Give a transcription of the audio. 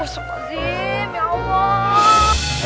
masukkan sim ya allah